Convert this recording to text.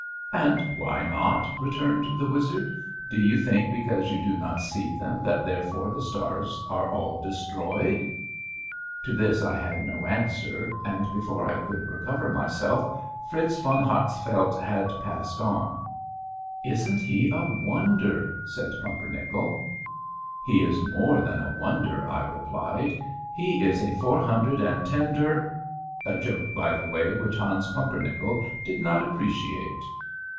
"And why not?" returned the wizard. "Do you think because you do not see them that therefore the stars are all destroyed?" To this I had no answer, and before I could recover myself Fritz von Hatzfeldt had passed on. "Isn't he a wonder?" said Pumpernickel. "He is more than a wonder," I replied. "He is a four hundred and tender" a joke, by the way, which Hans Pumpernickel did not appreciate.